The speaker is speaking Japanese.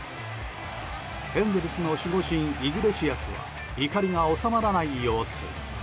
エンゼルスの守護神イグレシアスは怒りが収まらない様子。